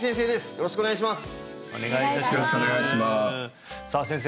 よろしくお願いしますさあ先生